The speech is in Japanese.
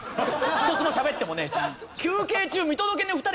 一つもしゃべってもねえし！